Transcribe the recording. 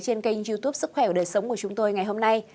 trên kênh youtube sức khỏe và đời sống của chúng tôi ngày hôm nay